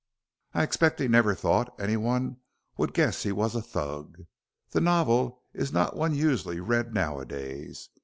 "I expect he never thought anyone would guess he was a Thug. The novel is not one usually read nowadays.